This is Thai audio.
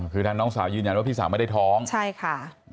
คือทางน้องสาวยืนยันว่าพี่สาวไม่ได้ท้องใช่ค่ะ